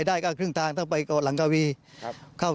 แล้วเราเคยไปก่อนรังกาวีไหม